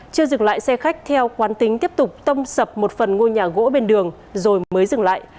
chưa dừng lại xe khách theo quán tính tiếp tục tông sập một phần ngôi nhà gỗ bên đường rồi mới dừng lại